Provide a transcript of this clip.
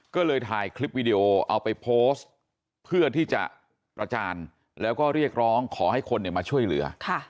ก็เลยถ่ายคลิปวิดีโอเอาไปโพสต์เพื่อที่จะประจานแล้วก็เรียกร้องขอให้คนมาช่วยเหลือ